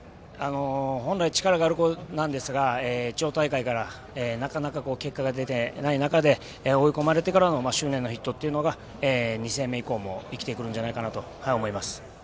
本来力がある子なんですが地方大会から、なかなか結果が出てない中で追い込まれてからの執念のヒットというのが２戦目以降も生きてくるのではないかと思います。